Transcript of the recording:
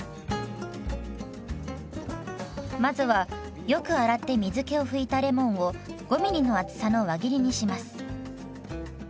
まずはよく洗って水けを拭いたレモンを５ミリの厚さの輪切りにします。